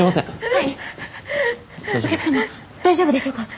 はいお客さま大丈夫でしょうか？